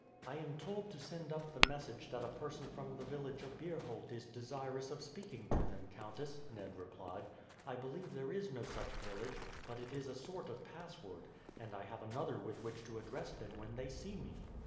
"I am told to send up the message that a person from the village of Beerholt is desirous of speaking to them, countess," Ned replied. "I believe there is no such village, but it is a sort of password; and I have another with which to address them when they see me."